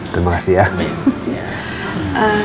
terima kasih ya